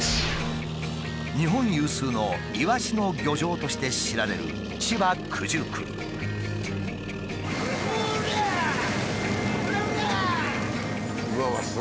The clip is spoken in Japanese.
日本有数のイワシの漁場として知られるうわうわ